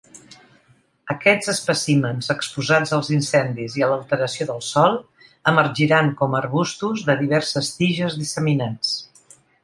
Aquests espècimens exposats als incendis i a l'alteració del sòl emergiran com a arbustos de diverses tiges disseminats.